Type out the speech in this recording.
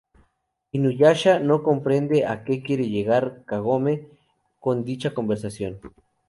Inuyasha no comprende a que quiere llegar Kagome con dicha conversación.